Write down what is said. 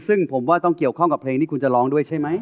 ซึ่งผมว่าต้องเกี่ยวข้องกับเพลงที่คุณจะร้องด้วยใช่ไหม